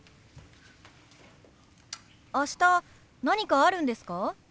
明日何かあるんですか？